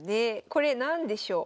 これ何でしょう？